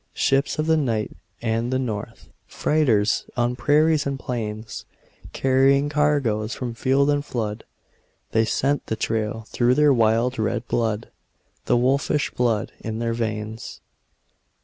Ships of the night and the north, Freighters on prairies and plains, Carrying cargoes from field and flood They scent the trail through their wild red blood, The wolfish blood in their veins.